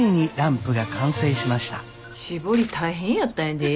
絞り大変やったんやで。